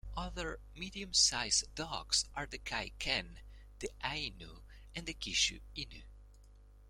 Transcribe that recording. Other medium-sized dogs are the Kai Ken, the Ainu and the Kishu Inu.